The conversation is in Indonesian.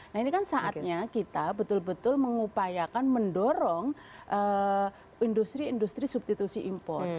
nah ini kan saatnya kita betul betul mengupayakan mendorong industri industri substitusi impor